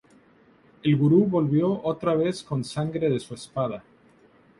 El Gurú volvió otra vez con sangre en su espada.